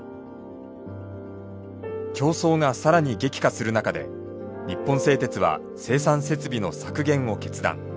競争が更に激化する中で日本製鉄は生産設備の削減を決断。